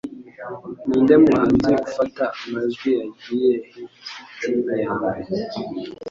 Ninde Muhanzi Ufata amajwi Yagize Hits icumi Yambere